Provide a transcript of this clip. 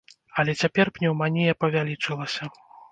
Але цяпер пнеўманія павялічылася.